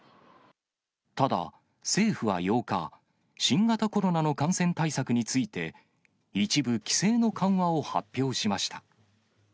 ただ、政府は８日、新型コロナの感染対策について、一部、規制の緩和を発表しました。